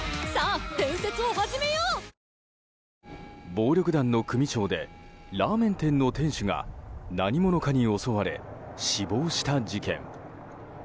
暴力団の組長でラーメン店の店主が何者かに襲われ死亡した事件。